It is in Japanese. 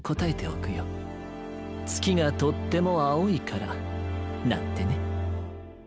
「つきがとってもあおいから」。なんてね。